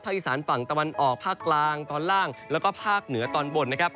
อีสานฝั่งตะวันออกภาคกลางตอนล่างแล้วก็ภาคเหนือตอนบนนะครับ